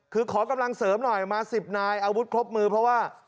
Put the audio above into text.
คือขอกำลังเสริมหน่อยมา๑๐นายอาวุธครบมือเพราะว่า